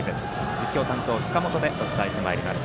実況担当、塚本でお伝えしてまいります。